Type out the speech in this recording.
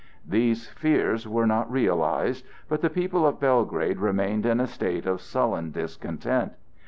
These fears were not realized; but the people of Belgrade remained in a state of sullen discontent.